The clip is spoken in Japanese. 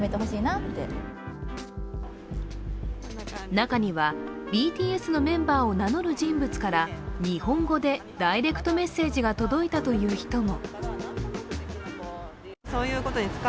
中にはＢＴＳのメンバーを名乗る人物から日本語でダイレクトメッセージが届いたという人も。